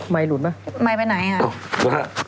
ไมลูนป่ะ